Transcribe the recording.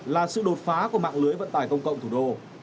là sự đột phá của mạng lưới vận tải công cộng thủ đô